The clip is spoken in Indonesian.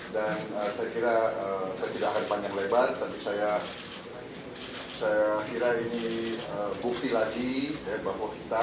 dan saya kira saya tidak akan panjang lebar tapi saya saya kira ini bukti lagi bahwa kita